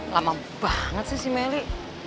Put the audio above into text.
lama banget sih si meli